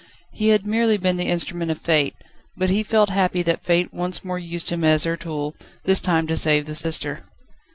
He had merely been the instrument of Fate, but he felt happy that Fate once more used him as her tool, this time to save the sister.